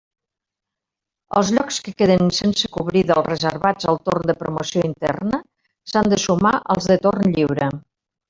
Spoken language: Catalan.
Els llocs que queden sense cobrir dels reservats al torn de promoció interna s'han de sumar als de torn lliure.